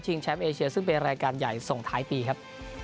แชมป์เอเชียซึ่งเป็นรายการใหญ่ส่งท้ายปีครับ